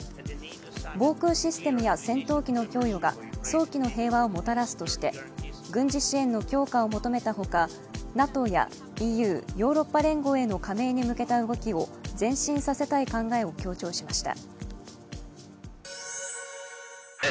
防空システムや戦闘機の供与が早期の平和をもたらすとして、軍事支援の強化を求めたほか、ＮＡＴＯやＥＵ＝ヨーロッパ連合への加盟に向けた動きを前進させたい考えを強調しました。